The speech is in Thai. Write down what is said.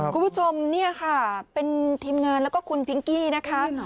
คุณผู้ชมเนี่ยค่ะเป็นทีมงานแล้วก็คุณพิงกี้นะคะ